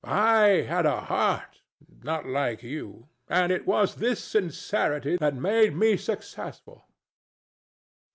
I had a heart: not like you. And it was this sincerity that made me successful.